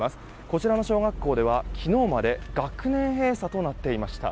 こちらの小学校では昨日まで学年閉鎖となっていました。